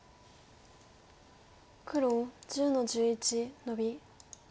黒１０の十一ノビ。